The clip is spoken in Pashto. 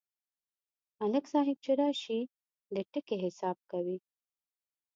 ملک صاحب چې راشي، د ټکي حساب کوي.